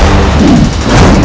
aku akan menang